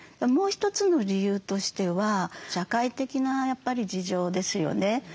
もう一つの理由としては社会的なやっぱり事情ですよね。